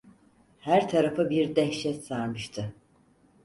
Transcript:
Her tarafı bir dehşet sarmıştı.